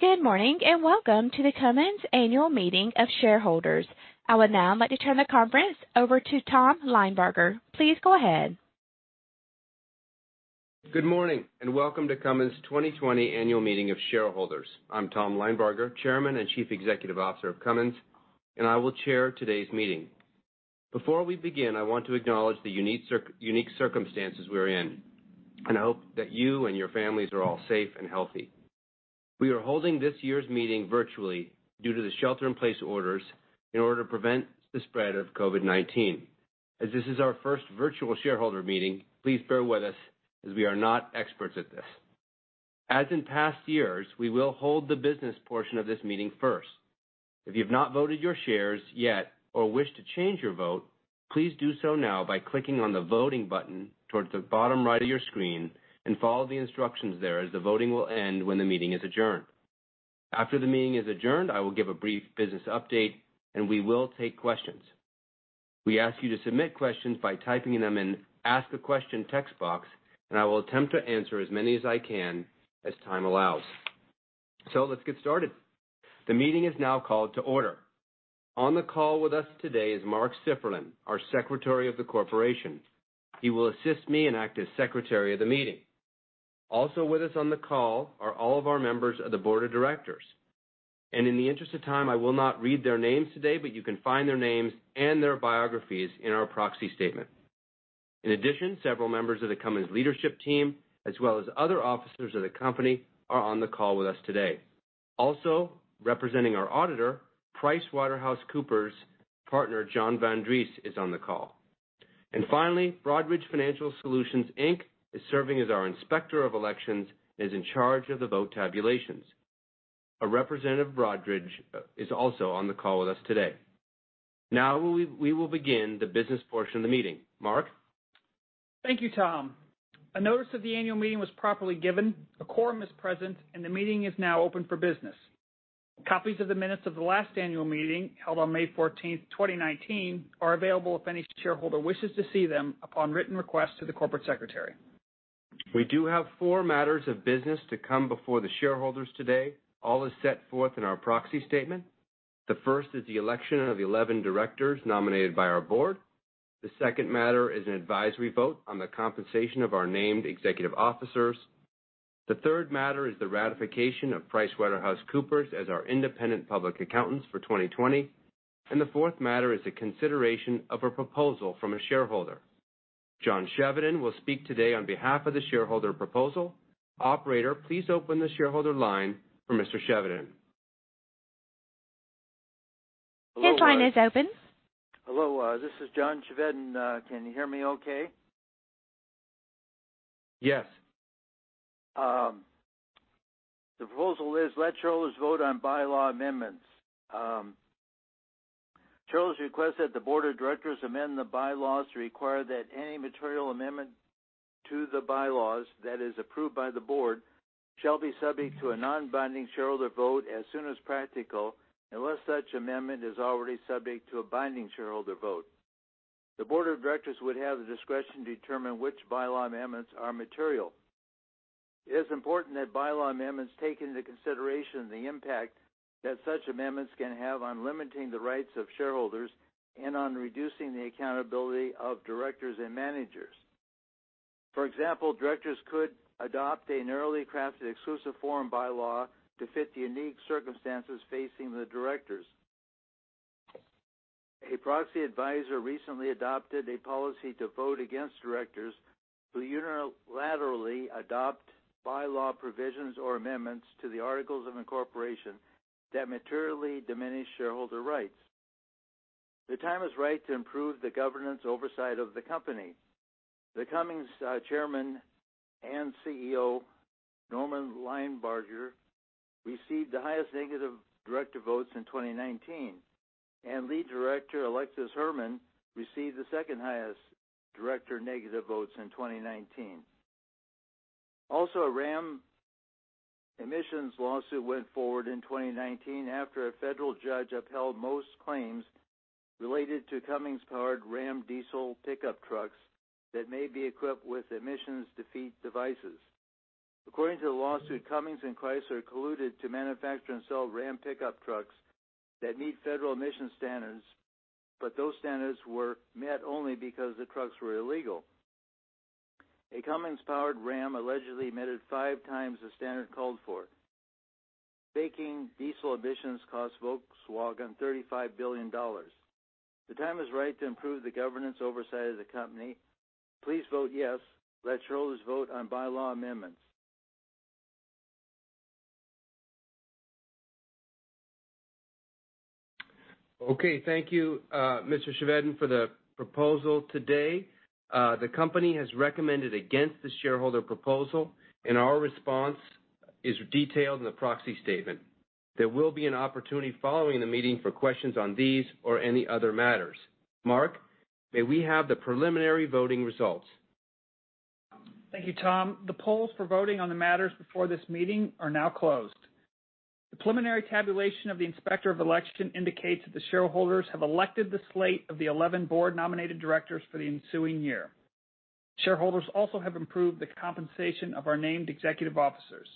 Good morning, and welcome to the Cummins Annual Meeting of Shareholders. I would now like to turn the conference over to Tom Linebarger. Please go ahead. Good morning, and welcome to Cummins' 2020 Annual Meeting of Shareholders. I'm Tom Linebarger, Chairman and Chief Executive Officer of Cummins, and I will chair today's meeting. Before we begin, I want to acknowledge the unique circumstances we are in, and I hope that you and your families are all safe and healthy. We are holding this year's meeting virtually due to the shelter-in-place orders in order to prevent the spread of COVID-19. As this is our first virtual shareholder meeting, please bear with us as we are not experts at this. As in past years, we will hold the business portion of this meeting first. If you have not voted your shares yet or wish to change your vote, please do so now by clicking on the voting button towards the bottom right of your screen and follow the instructions there, as the voting will end when the meeting is adjourned. After the meeting is adjourned, I will give a brief business update and we will take questions. We ask you to submit questions by typing them in Ask a Question text box. I will attempt to answer as many as I can as time allows. Let's get started. The meeting is now called to order. On the call with us today is Mark Sifferlen, our Secretary of the Corporation. He will assist me and act as Secretary of the meeting. Also with us on the call are all of our members of the Board of Directors. In the interest of time, I will not read their names today, but you can find their names and their biographies in our proxy statement. In addition, several members of the Cummins leadership team, as well as other officers of the company, are on the call with us today. Also, representing our auditor, PricewaterhouseCoopers partner John Van Dries is on the call. Finally, Broadridge Financial Solutions Inc. is serving as our Inspector of Elections and is in charge of the vote tabulations. A representative of Broadridge is also on the call with us today. Now we will begin the business portion of the meeting. Mark? Thank you, Tom. A notice of the annual meeting was properly given, a quorum is present, and the meeting is now open for business. Copies of the minutes of the last annual meeting, held on May 14th, 2019, are available if any shareholder wishes to see them upon written request to the Corporate Secretary. We do have four matters of business to come before the shareholders today. All is set forth in our proxy statement. The first is the election of 11 Directors nominated by our Board. The second matter is an advisory vote on the compensation of our named Executive Officers. The third matter is the ratification of PricewaterhouseCoopers as our independent public accountants for 2020. The fourth matter is a consideration of a proposal from a shareholder. John Chevedden will speak today on behalf of the shareholder proposal. Operator, please open the shareholder line for Mr. Chevedden. Your line is open. Hello, this is John Chevedden. Can you hear me okay? Yes. The proposal is, let shareholders vote on bylaw amendments. Shareholders request that the Board of Directors amend the bylaws to require that any material amendment to the bylaws that is approved by the Board shall be subject to a non-binding shareholder vote as soon as practical, unless such amendment is already subject to a binding shareholder vote. The Board of Directors would have the discretion to determine which bylaw amendments are material. It is important that bylaw amendments take into consideration the impact that such amendments can have on limiting the rights of shareholders and on reducing the accountability of directors and managers. For example, Directors could adopt a narrowly crafted exclusive forum bylaw to fit the unique circumstances facing the directors. A proxy advisor recently adopted a policy to vote against Directors who unilaterally adopt bylaw provisions or amendments to the articles of incorporation that materially diminish shareholder rights. The time is right to improve the governance oversight of the company. The Cummins Chairman and CEO, Tom Linebarger, received the highest negative Director votes in 2019, and Lead Director Alexis Herman received the second highest Director negative votes in 2019. A Ram emissions lawsuit went forward in 2019 after a federal judge upheld most claims related to Cummins-powered Ram diesel pickup trucks that may be equipped with emissions defeat devices. According to the lawsuit, Cummins and Chrysler colluded to manufacture and sell Ram pickup trucks that meet federal emissions standards, but those standards were met only because the trucks were illegal. A Cummins-powered Ram allegedly emitted five times the standard called for. Faking diesel emissions cost Volkswagen $35 billion. The time is right to improve the governance oversight of the company. Please vote yes. Let shareholders vote on bylaw amendments. Okay. Thank you, Mr. Chevedden, for the proposal today. The company has recommended against the shareholder proposal, and our response is detailed in the proxy statement. There will be an opportunity following the meeting for questions on these or any other matters. Mark, may we have the preliminary voting results? Thank you, Tom. The polls for voting on the matters before this meeting are now closed. The preliminary tabulation of the Inspector of Election indicates that the shareholders have elected the slate of the 11 Board-nominated Directors for the ensuing year. Shareholders also have approved the compensation of our named Executive Officers.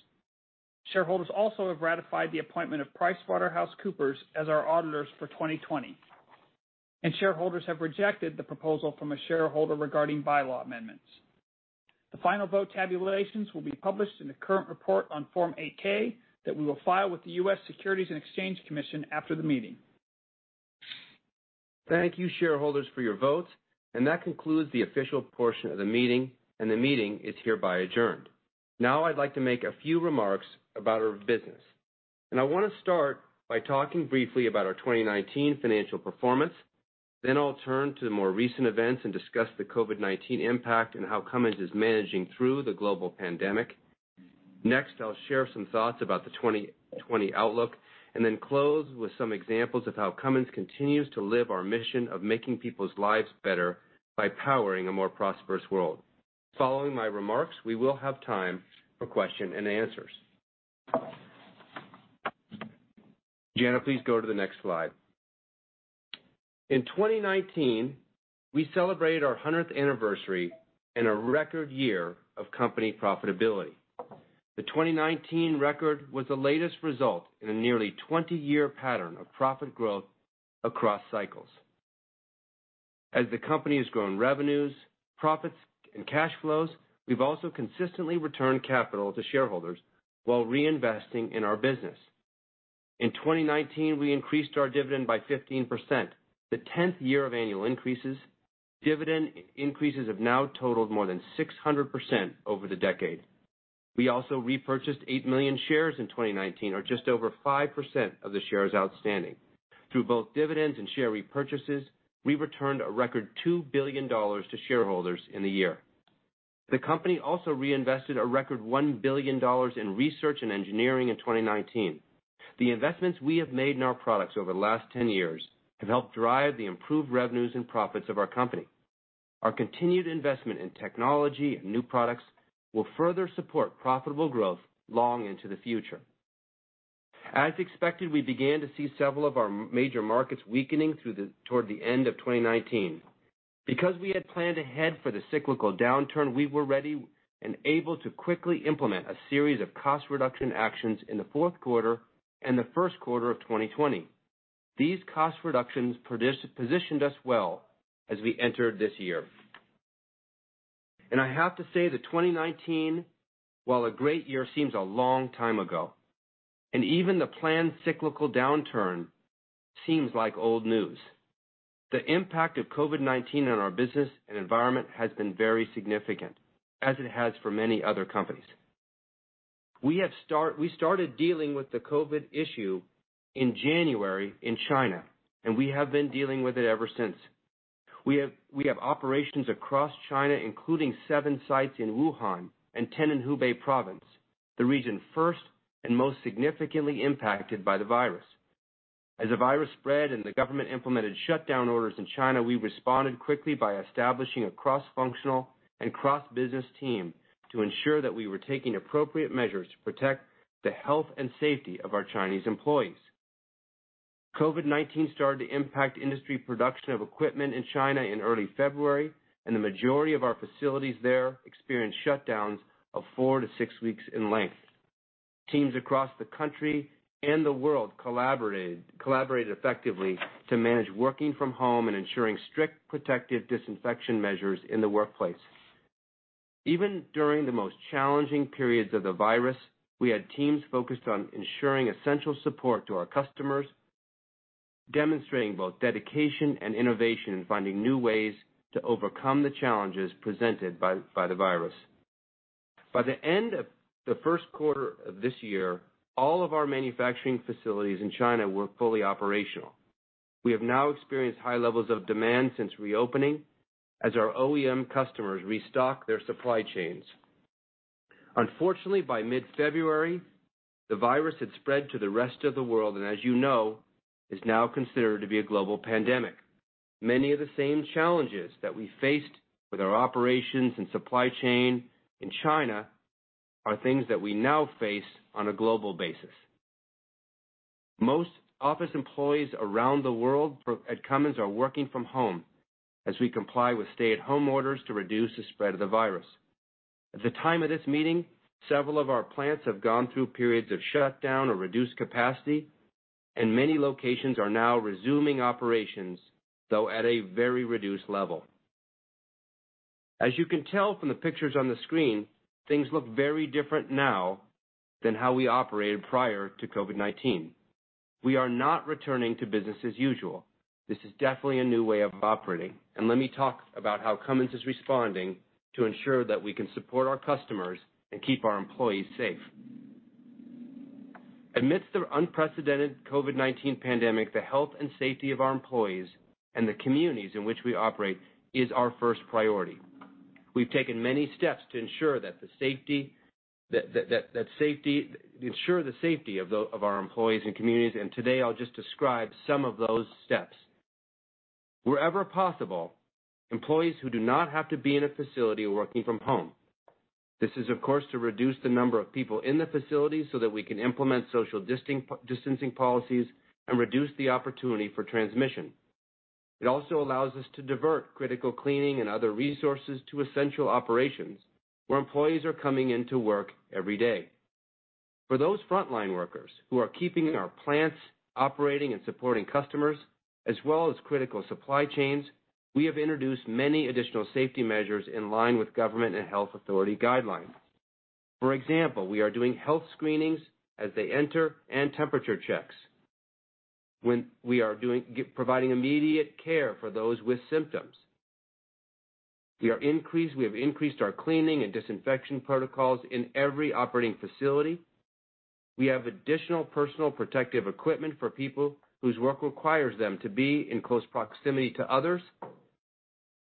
Shareholders also have ratified the appointment of PricewaterhouseCoopers as our auditors for 2020. Shareholders have rejected the proposal from a shareholder regarding bylaw amendments. The final vote tabulations will be published in the current report on Form 8-K that we will file with the U.S. Securities and Exchange Commission after the meeting. Thank you, shareholders, for your votes, and that concludes the official portion of the meeting, and the meeting is hereby adjourned. Now I'd like to make a few remarks about our business. I want to start by talking briefly about our 2019 financial performance. I'll turn to the more recent events and discuss the COVID-19 impact and how Cummins is managing through the global pandemic. Next, I'll share some thoughts about the 2020 outlook, and then close with some examples of how Cummins continues to live our mission of making people's lives better by powering a more prosperous world. Following my remarks, we will have time for question-and-answers. Janna, please go to the next slide. In 2019, we celebrated our 100th anniversary and a record year of company profitability. The 2019 record was the latest result in a nearly 20-year pattern of profit growth across cycles. As the company has grown revenues, profits, and cash flows, we've also consistently returned capital to shareholders while reinvesting in our business. In 2019, we increased our dividend by 15%, the 10th year of annual increases. Dividend increases have now totaled more than 600% over the decade. We also repurchased 8 million shares in 2019, or just over 5% of the shares outstanding. Through both dividends and share repurchases, we returned a record $2 billion to shareholders in the year. The company also reinvested a record $1 billion in research and engineering in 2019. The investments we have made in our products over the last 10 years have helped drive the improved revenues and profits of our company. Our continued investment in technology and new products will further support profitable growth long into the future. As expected, we began to see several of our major markets weakening toward the end of 2019. Because we had planned ahead for the cyclical downturn, we were ready and able to quickly implement a series of cost reduction actions in the fourth quarter and the first quarter of 2020. These cost reductions positioned us well as we entered this year. I have to say that 2019, while a great year, seems a long time ago. Even the planned cyclical downturn seems like old news. The impact of COVID-19 on our business and environment has been very significant, as it has for many other companies. We started dealing with the COVID issue in January in China, and we have been dealing with it ever since. We have operations across China, including seven sites in Wuhan and 10 in Hubei province, the region first and most significantly impacted by the virus. As the virus spread and the government implemented shutdown orders in China, we responded quickly by establishing a cross-functional and cross-business team to ensure that we were taking appropriate measures to protect the health and safety of our Chinese employees. COVID-19 started to impact industry production of equipment in China in early February, and the majority of our facilities there experienced shutdowns of four to six weeks in length. Teams across the country and the world collaborated effectively to manage working from home and ensuring strict protective disinfection measures in the workplace. Even during the most challenging periods of the virus, we had teams focused on ensuring essential support to our customers, demonstrating both dedication and innovation in finding new ways to overcome the challenges presented by the virus. By the end of the first quarter of this year, all of our manufacturing facilities in China were fully operational. We have now experienced high levels of demand since reopening as our OEM customers restock their supply chains. Unfortunately, by mid-February, the virus had spread to the rest of the world and, as you know, is now considered to be a global pandemic. Many of the same challenges that we faced with our operations and supply chain in China are things that we now face on a global basis. Most office employees around the world at Cummins are working from home as we comply with stay-at-home orders to reduce the spread of the virus. At the time of this meeting, several of our plants have gone through periods of shutdown or reduced capacity and many locations are now resuming operations, though at a very reduced level. As you can tell from the pictures on the screen, things look very different now than how we operated prior to COVID-19. We are not returning to business as usual. This is definitely a new way of operating. Let me talk about how Cummins is responding to ensure that we can support our customers and keep our employees safe. Amidst the unprecedented COVID-19 pandemic, the health and safety of our employees and the communities in which we operate is our first priority. We've taken many steps to ensure the safety of our employees and communities. Today I'll just describe some of those steps. Wherever possible, employees who do not have to be in a facility are working from home. This is, of course, to reduce the number of people in the facility so that we can implement social distancing policies and reduce the opportunity for transmission. It also allows us to divert critical cleaning and other resources to essential operations where employees are coming into work every day. For those frontline workers who are keeping our plants operating and supporting customers, as well as critical supply chains, we have introduced many additional safety measures in line with government and health authority guidelines. For example, we are doing health screenings as they enter and temperature checks. We are providing immediate care for those with symptoms. We have increased our cleaning and disinfection protocols in every operating facility. We have additional personal protective equipment for people whose work requires them to be in close proximity to others,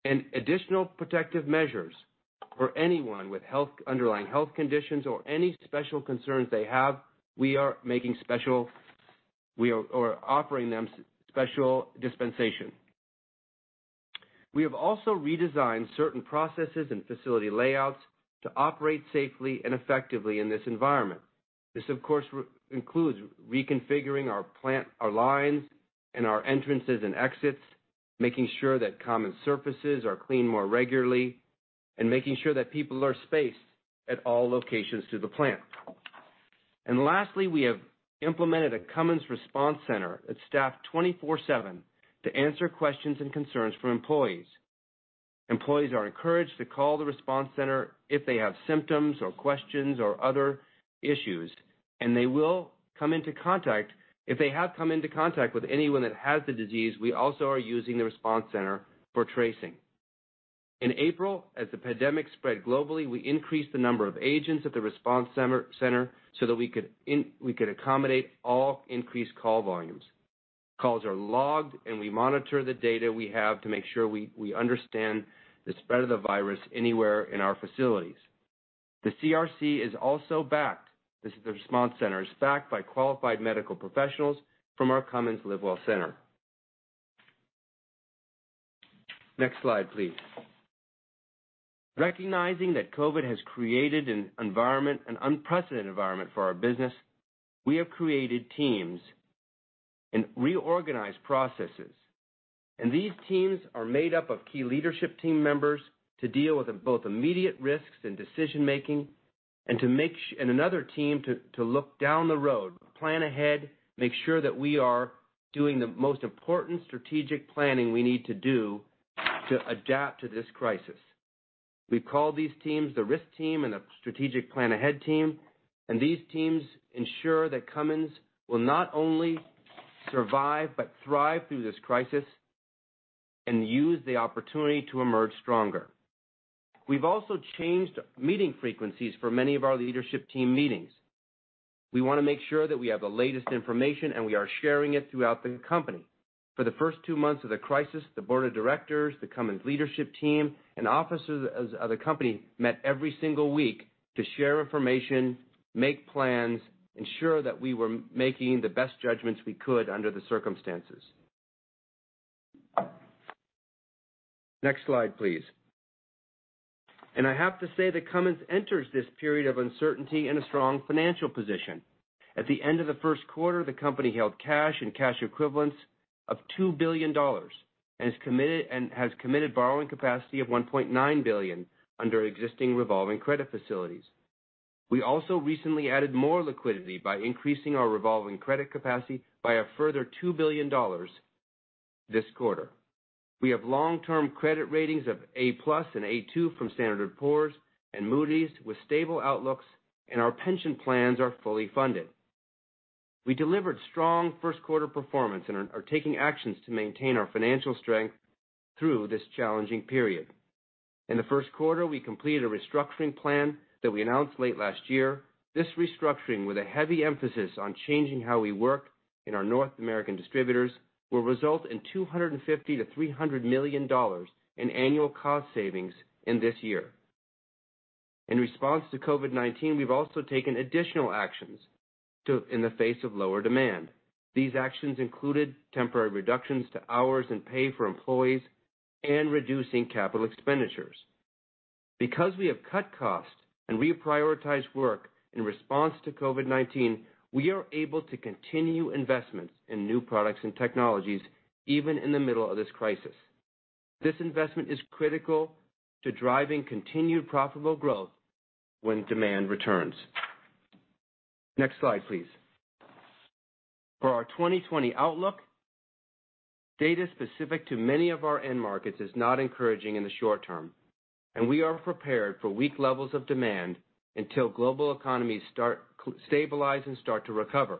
and additional protective measures for anyone with underlying health conditions or any special concerns they have. We are offering them special dispensation. We have also redesigned certain processes and facility layouts to operate safely and effectively in this environment. This, of course, includes reconfiguring our lines and our entrances and exits, making sure that common surfaces are cleaned more regularly, and making sure that people are spaced at all locations through the plant. Lastly, we have implemented a Cummins Response Center that's staffed 24/7 to answer questions and concerns from employees. Employees are encouraged to call the response center if they have symptoms, or questions, or other issues. If they have come into contact with anyone that has the disease, we also are using the response center for tracing. In April, as the pandemic spread globally, we increased the number of agents at the response center so that we could accommodate all increased call volumes. Calls are logged, and we monitor the data we have to make sure we understand the spread of the virus anywhere in our facilities. The CRC, the response center, is also backed by qualified medical professionals from our Cummins LiveWell Center. Next slide, please. Recognizing that COVID has created an unprecedented environment for our business, we have created teams and reorganized processes. These teams are made up of key leadership team members to deal with both immediate risks and decision-making, another team to look down the road, plan ahead, make sure that we are doing the most important strategic planning we need to do to adapt to this crisis. We call these teams the risk team and the strategic plan ahead team. These teams ensure that Cummins will not only survive, but thrive through this crisis and use the opportunity to emerge stronger. We've also changed meeting frequencies for many of our leadership team meetings. We want to make sure that we have the latest information and we are sharing it throughout the company. For the first two months of the crisis, the Board of Directors, the Cummins leadership team, and officers of the company met every single week to share information, make plans, ensure that we were making the best judgments we could under the circumstances. Next slide, please. I have to say that Cummins enters this period of uncertainty in a strong financial position. At the end of the first quarter, the company held cash and cash equivalents of $2 billion and has committed borrowing capacity of $1.9 billion under existing revolving credit facilities. We also recently added more liquidity by increasing our revolving credit capacity by a further $2 billion this quarter. We have long-term credit ratings of A+ and A2 from Standard & Poor's and Moody's with stable outlooks, and our pension plans are fully funded. We delivered strong first quarter performance and are taking actions to maintain our financial strength through this challenging period. In the first quarter, we completed a restructuring plan that we announced late last year. This restructuring, with a heavy emphasis on changing how we work in our North American distributors, will result in $250 million-$300 million in annual cost savings in this year. In response to COVID-19, we've also taken additional actions in the face of lower demand. These actions included temporary reductions to hours and pay for employees and reducing capital expenditures. Because we have cut costs and reprioritized work in response to COVID-19, we are able to continue investments in new products and technologies, even in the middle of this crisis. This investment is critical to driving continued profitable growth when demand returns. Next slide, please. For our 2020 outlook, data specific to many of our end markets is not encouraging in the short term, and we are prepared for weak levels of demand until global economies stabilize and start to recover.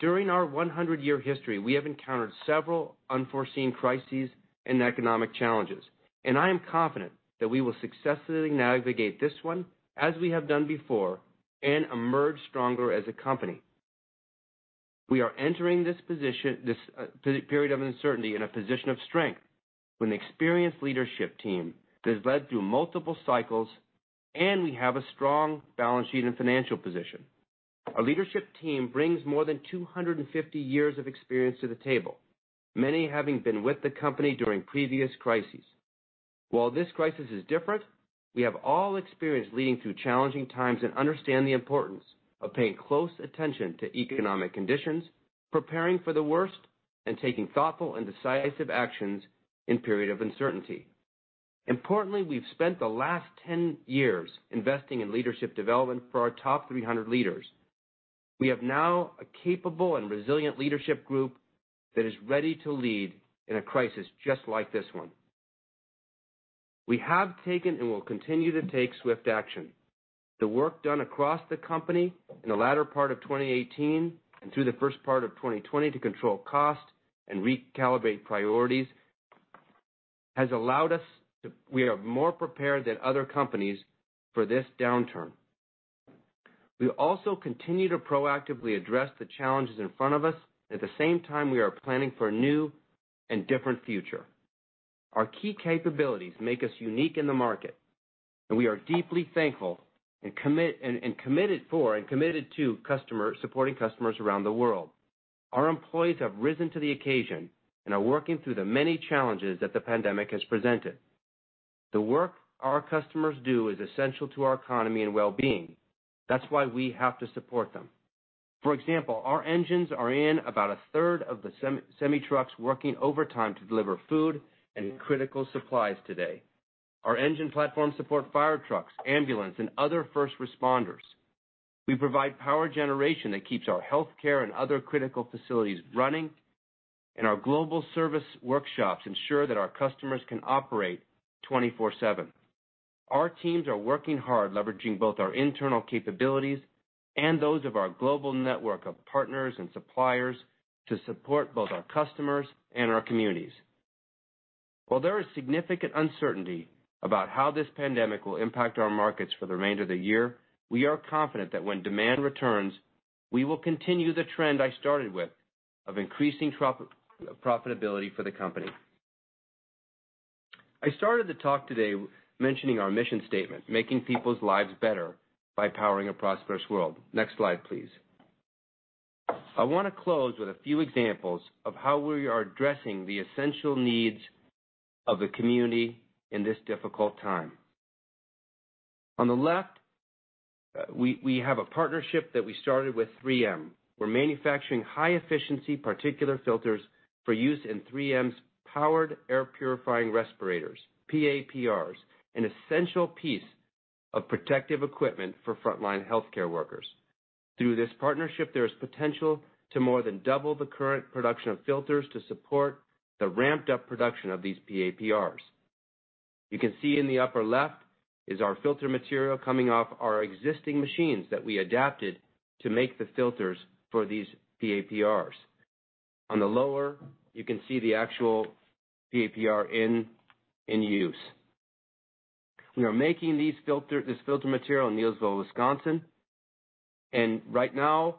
During our 100-year history, we have encountered several unforeseen crises and economic challenges, and I am confident that we will successfully navigate this one, as we have done before, and emerge stronger as a company. We are entering this period of uncertainty in a position of strength with an experienced leadership team that has led through multiple cycles, and we have a strong balance sheet and financial position. Our leadership team brings more than 250 years of experience to the table, many having been with the company during previous crises. While this crisis is different, we have all experienced leading through challenging times and understand the importance of paying close attention to economic conditions, preparing for the worst, and taking thoughtful and decisive actions in period of uncertainty. Importantly, we've spent the last 10 years investing in leadership development for our top 300 leaders. We have now a capable and resilient leadership group that is ready to lead in a crisis just like this one. We have taken and will continue to take swift action. The work done across the company in the latter part of 2018 and through the first part of 2020 to control cost and recalibrate priorities, we are more prepared than other companies for this downturn. We also continue to proactively address the challenges in front of us. At the same time, we are planning for a new and different future. Our key capabilities make us unique in the market, and we are deeply thankful and committed to supporting customers around the world. Our employees have risen to the occasion and are working through the many challenges that the pandemic has presented. The work our customers do is essential to our economy and wellbeing. That's why we have to support them. For example, our engines are in about 1/3 of the semi trucks working overtime to deliver food and critical supplies today. Our engine platforms support fire trucks, ambulance, and other first responders. We provide power generation that keeps our healthcare and other critical facilities running, and our global service workshops ensure that our customers can operate 24/7. Our teams are working hard, leveraging both our internal capabilities and those of our global network of partners and suppliers to support both our customers and our communities. While there is significant uncertainty about how this pandemic will impact our markets for the remainder of the year, we are confident that when demand returns, we will continue the trend I started with of increasing profitability for the company. I started the talk today mentioning our mission statement, making people's lives better by powering a prosperous world. Next slide, please. I wanna close with a few examples of how we are addressing the essential needs of the community in this difficult time. On the left, we have a partnership that we started with 3M. We're manufacturing high-efficiency particulate filters for use in 3M's Powered Air Purifying Respirators, PAPRs, an essential piece of protective equipment for frontline healthcare workers. Through this partnership, there is potential to more than double the current production of filters to support the ramped-up production of these PAPRs. You can see in the upper left is our filter material coming off our existing machines that we adapted to make the filters for these PAPRs. On the lower, you can see the actual PAPR in use. We are making this filter material in Neillsville, Wisconsin, and right now,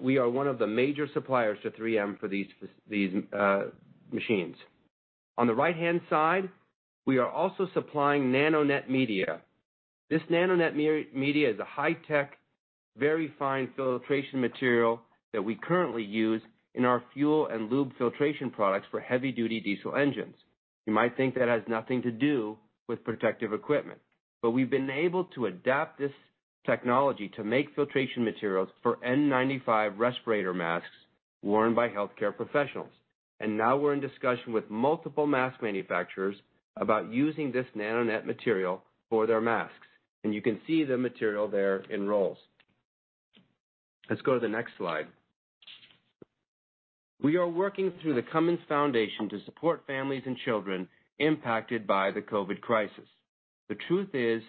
we are one of the major suppliers to 3M for these machines. On the right-hand side, we are also supplying NanoNet media. This NanoNet media is a high-tech, very fine filtration material that we currently use in our fuel and lube filtration products for heavy-duty diesel engines. You might think that has nothing to do with protective equipment, but we've been able to adapt this technology to make filtration materials for N95 respirator masks worn by healthcare professionals. Now we're in discussion with multiple mask manufacturers about using this NanoNet material for their masks, and you can see the material there in rolls. Let's go to the next slide. We are working through the Cummins Foundation to support families and children impacted by the COVID crisis. The truth is,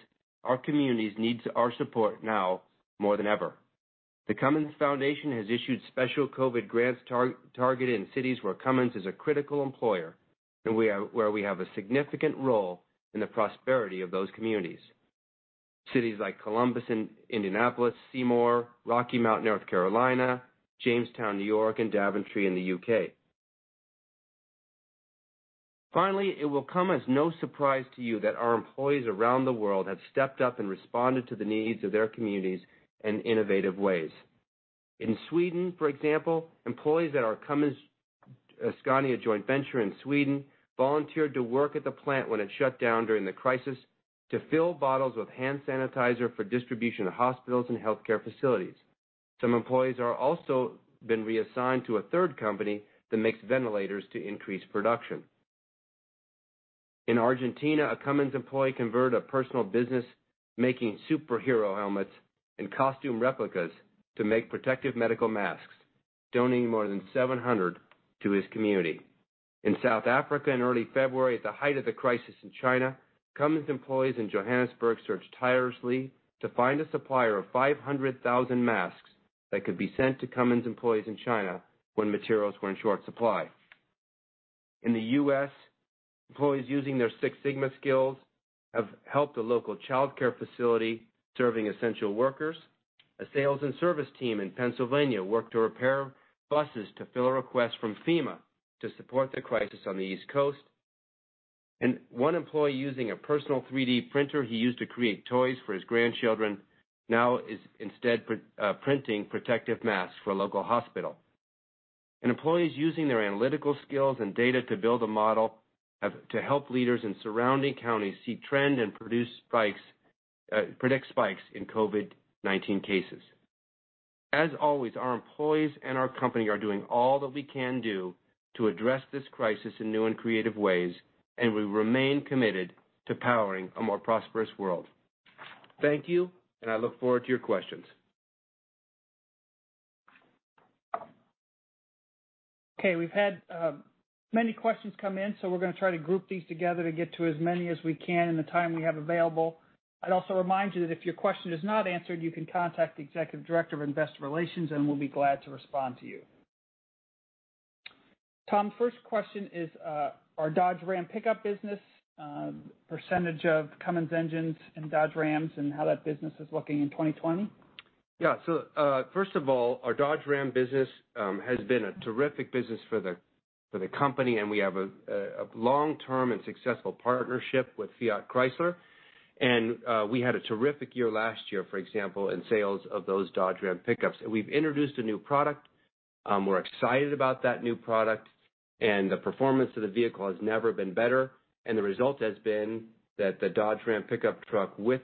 our communities need our support now more than ever. The Cummins Foundation has issued special COVID Grants targeted in cities where Cummins is a critical employer and where we have a significant role in the prosperity of those communities. Cities like Columbus and Indianapolis, Seymour, Rocky Mount, North Carolina, Jamestown, New York, and Daventry in the U.K. It will come as no surprise to you that our employees around the world have stepped up and responded to the needs of their communities in innovative ways. In Sweden, for example, employees at our Cummins Scania joint venture in Sweden volunteered to work at the plant when it shut down during the crisis to fill bottles with hand sanitizer for distribution to hospitals and healthcare facilities. Some employees are also been reassigned to a third company that makes ventilators to increase production. In Argentina, a Cummins employee converted a personal business making superhero helmets and costume replicas to make protective medical masks, donating more than 700 to his community. In South Africa in early February, at the height of the crisis in China, Cummins employees in Johannesburg searched tirelessly to find a supplier of 500,000 masks that could be sent to Cummins employees in China when materials were in short supply. In the U.S., employees using their Six Sigma skills have helped a local childcare facility serving essential workers. A sales and service team in Pennsylvania worked to repair buses to fill a request from FEMA to support the crisis on the East Coast. One employee using a personal 3D printer he used to create toys for his grandchildren now is instead printing protective masks for a local hospital. Employees using their analytical skills and data to build a model to help leaders in surrounding counties see trend and predict spikes in COVID-19 cases. As always, our employees and our company are doing all that we can do to address this crisis in new and creative ways, and we remain committed to powering a more prosperous world. Thank you, and I look forward to your questions. Okay. We've had many questions come in, so we're going to try to group these together to get to as many as we can in the time we have available. I'd also remind you that if your question is not answered, you can contact the executive director of investor relations and we'll be glad to respond to you. Tom, first question is, our Dodge Ram pickup business, percentage of Cummins engines in Dodge Rams, and how that business is looking in 2020? Yeah. First of all, our Dodge Ram business has been a terrific business for the company, and we have a long-term and successful partnership with Fiat Chrysler. We had a terrific year last year, for example, in sales of those Dodge Ram pickups. We've introduced a new product. We're excited about that new product, and the performance of the vehicle has never been better. The result has been that the Dodge Ram pickup truck with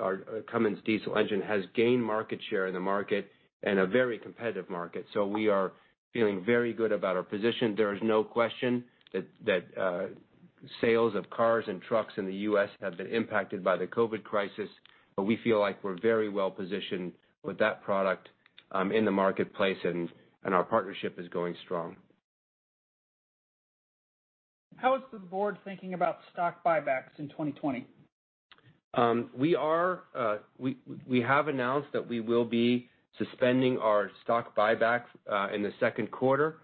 our Cummins diesel engine has gained market share in the market, and a very competitive market. We are feeling very good about our position. There is no question that sales of cars and trucks in the U.S. have been impacted by the COVID crisis, but we feel like we're very well-positioned with that product in the marketplace, and our partnership is going strong. How is the board thinking about stock buybacks in 2020? We have announced that we will be suspending our stock buyback in the second quarter.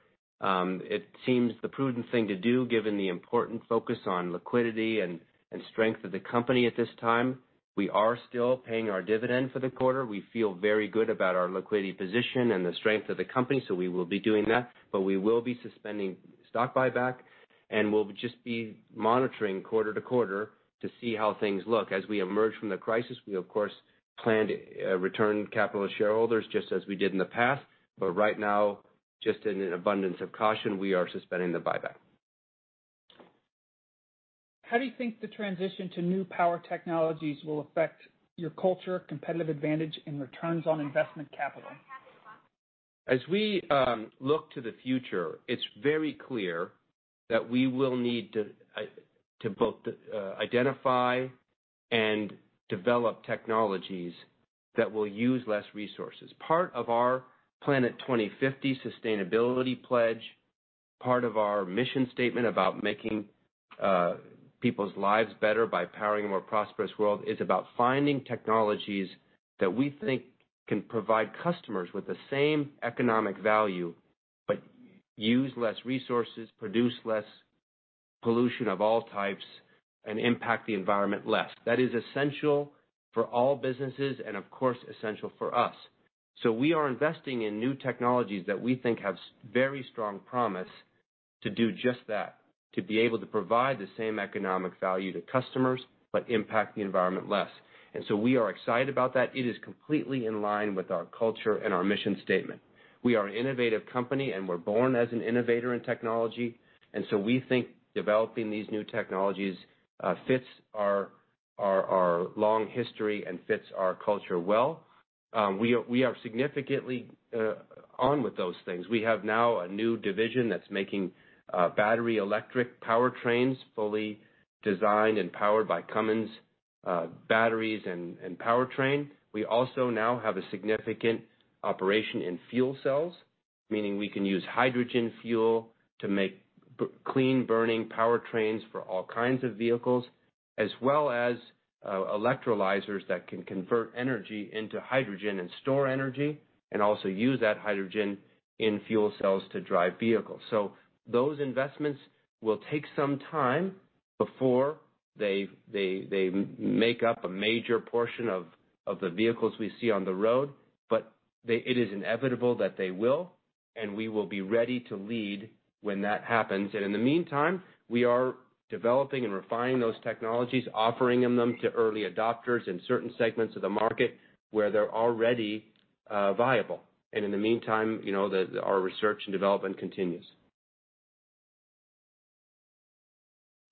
It seems the prudent thing to do given the important focus on liquidity and strength of the company at this time. We are still paying our dividend for the quarter. We feel very good about our liquidity position and the strength of the company, so we will be doing that. We will be suspending stock buyback, and we'll just be monitoring quarter-to-quarter to see how things look. As we emerge from the crisis, we of course plan to return capital to shareholders just as we did in the past. Right now, just in an abundance of caution, we are suspending the buyback. How do you think the transition to new power technologies will affect your culture, competitive advantage, and returns on investment capital? As we look to the future, it's very clear that we will need to both identify and develop technologies that will use less resources. Part of our PLANET 2050 sustainability pledge, part of our mission statement about making people's lives better by powering a more prosperous world, is about finding technologies that we think can provide customers with the same economic value, but use less resources, produce less pollution of all types, and impact the environment less. That is essential for all businesses and, of course, essential for us. We are investing in new technologies that we think have very strong promise to do just that, to be able to provide the same economic value to customers, but impact the environment less. We are excited about that. It is completely in line with our culture and our mission statement. We are an innovative company, and we're born as an innovator in technology. We think developing these new technologies fits our long history and fits our culture well. We are significantly on with those things. We have now a new division that's making battery electric powertrains fully designed and powered by Cummins batteries and powertrain. We also now have a significant operation in fuel cells, meaning we can use hydrogen fuel to make clean-burning powertrains for all kinds of vehicles, as well as electrolyzers that can convert energy into hydrogen and store energy, and also use that hydrogen in fuel cells to drive vehicles. Those investments will take some time before they make up a major portion of the vehicles we see on the road. It is inevitable that they will, and we will be ready to lead when that happens. In the meantime, we are developing and refining those technologies, offering them to early adopters in certain segments of the market where they're already viable. In the meantime, our research and development continues.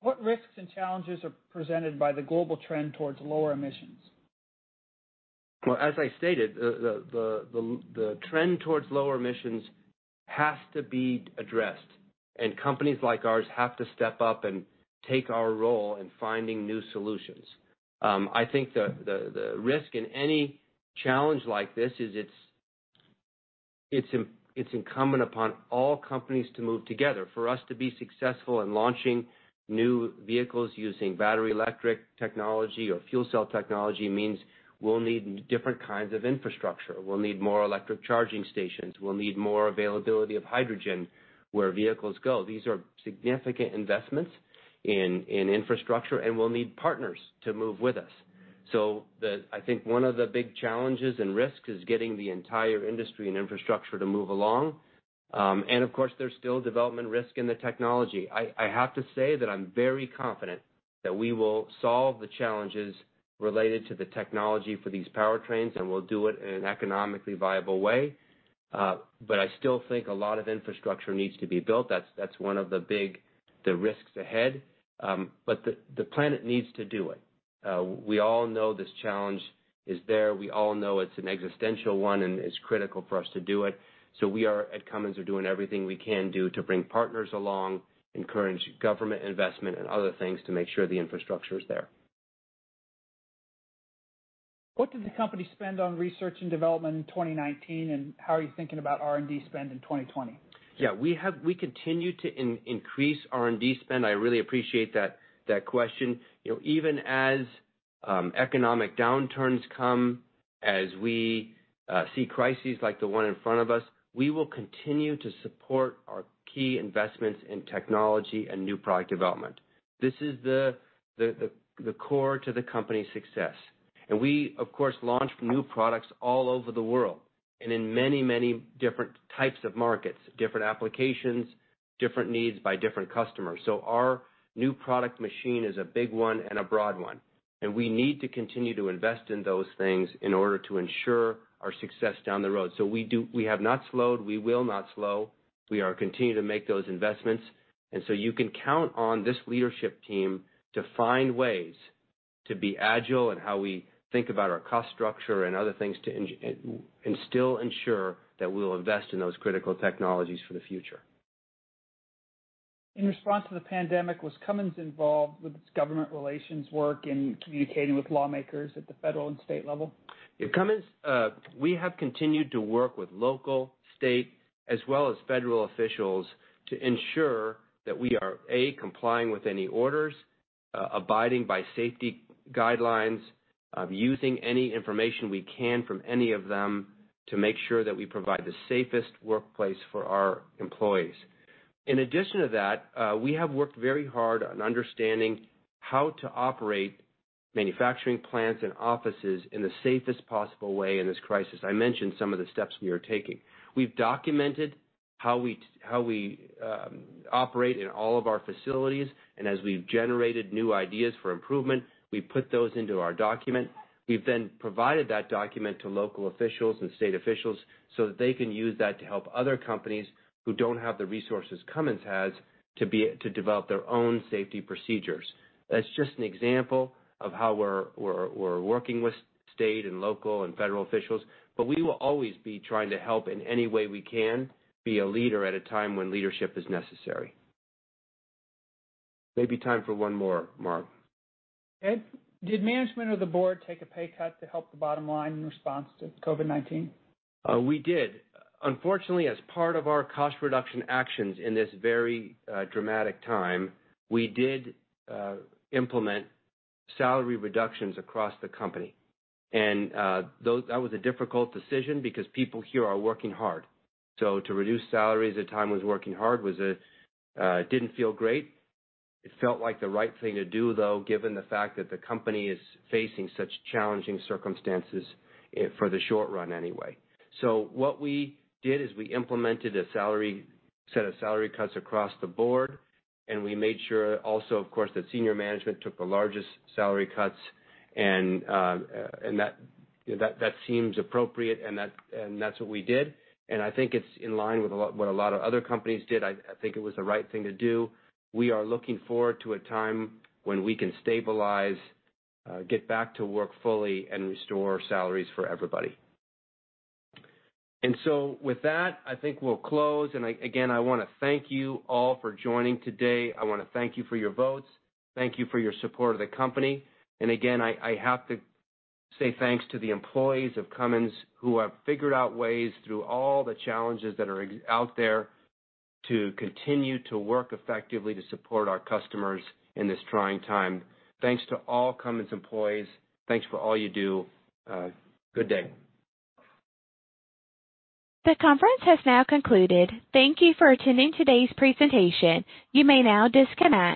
What risks and challenges are presented by the global trend towards lower emissions? Well, as I stated, the trend towards lower emissions has to be addressed, and companies like ours have to step up and take our role in finding new solutions. I think the risk in any challenge like this is it's incumbent upon all companies to move together. For us to be successful in launching new vehicles using battery electric technology or fuel cell technology means we'll need different kinds of infrastructure. We'll need more electric charging stations. We'll need more availability of hydrogen where vehicles go. These are significant investments in infrastructure, and we'll need partners to move with us. I think one of the big challenges and risks is getting the entire industry and infrastructure to move along. Of course, there's still development risk in the technology. I have to say that I'm very confident that we will solve the challenges related to the technology for these powertrains, and we'll do it in an economically viable way. I still think a lot of infrastructure needs to be built. That's one of the big risks ahead. The planet needs to do it. We all know this challenge is there. We all know it's an existential one, and it's critical for us to do it. We, at Cummins, are doing everything we can do to bring partners along, encourage government investment and other things to make sure the infrastructure is there. What did the company spend on research and development in 2019, and how are you thinking about R&D spend in 2020? Yeah. We continue to increase R&D spend. I really appreciate that question. Even as economic downturns come, as we see crises like the one in front of us, we will continue to support our key investments in technology and new product development. This is the core to the company's success. We, of course, launched new products all over the world and in many different types of markets, different applications, different needs by different customers. Our new product machine is a big one and a broad one, and we need to continue to invest in those things in order to ensure our success down the road. We have not slowed. We will not slow. We are continuing to make those investments. You can count on this leadership team to find ways to be agile in how we think about our cost structure and other things, and still ensure that we'll invest in those critical technologies for the future. In response to the pandemic, was Cummins involved with its government relations work in communicating with lawmakers at the federal and state level? Yeah, Cummins, we have continued to work with local, state, as well as federal officials to ensure that we are, A, complying with any orders, abiding by safety guidelines, using any information we can from any of them to make sure that we provide the safest workplace for our employees. In addition to that, we have worked very hard on understanding how to operate manufacturing plants and offices in the safest possible way in this crisis. I mentioned some of the steps we are taking. We've documented how we operate in all of our facilities, and as we've generated new ideas for improvement, we put those into our document. We've then provided that document to local officials and state officials so that they can use that to help other companies who don't have the resources Cummins has to develop their own safety procedures. That's just an example of how we're working with state and local and federal officials, but we will always be trying to help in any way we can, be a leader at a time when leadership is necessary. Maybe time for one more, Mark. Ed, did management or the board take a pay cut to help the bottom line in response to COVID-19? We did. Unfortunately, as part of our cost reduction actions in this very dramatic time, we did implement salary reductions across the company. That was a difficult decision because people here are working hard. To reduce salaries at a time when it's working hard didn't feel great. It felt like the right thing to do, though, given the fact that the company is facing such challenging circumstances for the short run, anyway. What we did is we implemented a set of salary cuts across the board, we made sure also, of course, that senior management took the largest salary cuts that seems appropriate, that's what we did. I think it's in line with what a lot of other companies did. I think it was the right thing to do. We are looking forward to a time when we can stabilize, get back to work fully, and restore salaries for everybody. With that, I think we'll close. Again, I want to thank you all for joining today. I want to thank you for your votes. Thank you for your support of the company. Again, I have to say thanks to the employees of Cummins who have figured out ways through all the challenges that are out there to continue to work effectively to support our customers in this trying time. Thanks to all Cummins employees. Thanks for all you do. Good day. The conference has now concluded. Thank you for attending today's presentation. You may now disconnect.